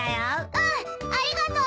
うんありがとう！